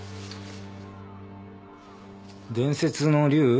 「伝説の龍」？